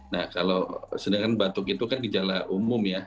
nah kalau sedangkan batuk itu kan gejala umum ya